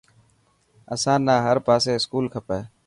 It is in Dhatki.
اسان نا هر پاسي اسڪول کپي.